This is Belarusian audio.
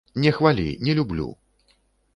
Не хвалі, не люблю!